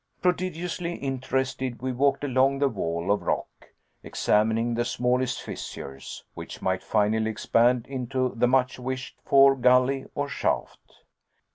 Prodigiously interested, we walked along the wall of rock, examining the smallest fissures, which might finally expand into the much wished for gully or shaft.